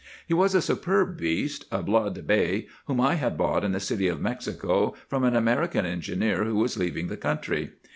He was a superb beast, a blood bay, whom I had bought in the city of Mexico from an American engineer who was leaving the country.